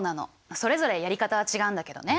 それぞれやり方は違うんだけどね。